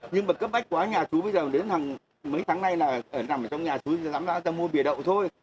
nhưng mà cấp bách quá nhà chú bây giờ đến hàng mấy tháng nay là ở nằm trong nhà chú chú dám ra mua bìa đậu thôi